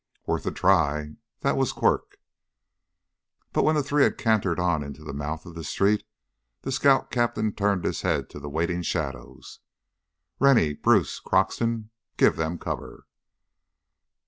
"... worth a try ..." that was Quirk. But when the three had cantered on into the mouth of the street the scout captain turned his head to the waiting shadows. "Rennie, Bruce, Croxton ... give them cover!"